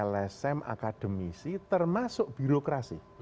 lsm akademisi termasuk birokrasi